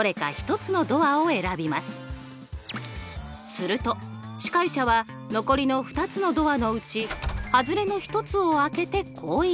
すると司会者は残りの２つのドアのうち外れの１つを開けてこう言います。